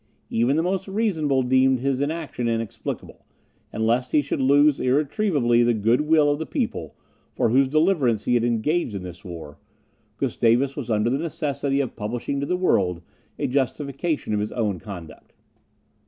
Even the most reasonable deemed his inaction inexplicable; and lest he should lose irretrievably the good will of the people, for whose deliverance he had engaged in this war, Gustavus was under the necessity of publishing to the world a justification of his own conduct.